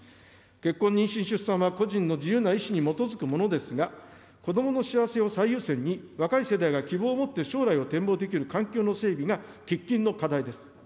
結婚、妊娠、出産は個人の自由な意思に基づくものですが、子どもの幸せを最優先に、若い世代が希望を持って将来を展望できる環境の整備が喫緊の課題です。